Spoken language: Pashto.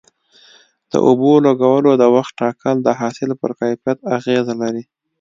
د اوبو لګولو د وخت ټاکل د حاصل پر کیفیت اغیزه لري.